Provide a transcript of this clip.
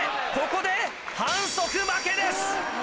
ここで反則負けです。